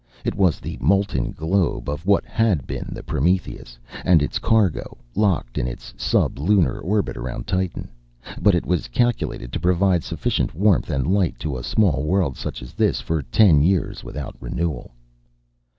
It was the molten globe of what had been the Prometheus and its cargo, locked in its sub lunar orbit around Titan. But it was calculated to provide sufficient warmth and light to a small world such as this, for ten Earth years, without renewal.